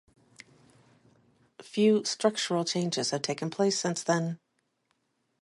Few structural changes have taken place since then.